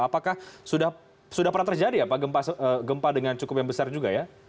apakah sudah pernah terjadi ya pak gempa dengan cukup yang besar juga ya